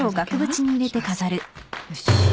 よし。